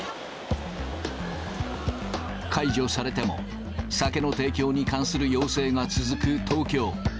解除されても、酒の提供に関する要請が続く東京。